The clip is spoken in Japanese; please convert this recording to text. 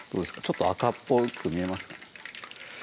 ちょっと赤っぽく見えますか？